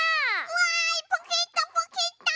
うわいポケットポケット！